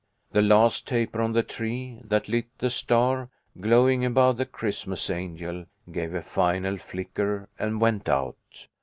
The last taper on the tree, that lit the star, glowing above the Christmas angel, gave a final flicker and went out.